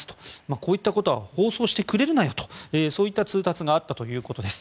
こういったことは放送してくれるなとそういった通達があったということです。